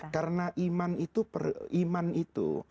karena iman itu